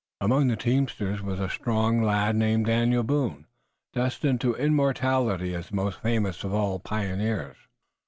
Among the teamsters was a strong lad named Daniel Boone destined to immortality as the most famous of all pioneers.